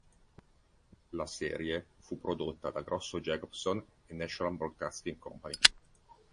La serie fu prodotta da Grosso Jacobson e National Broadcasting Company.